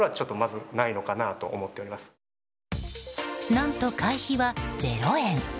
何と会費は０円。